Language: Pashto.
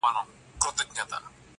زندګي هم يو تجربه وه ښه دى تېره سوله,